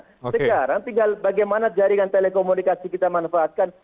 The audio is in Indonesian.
sekarang tinggal bagaimana jaringan telekomunikasi kita manfaatkan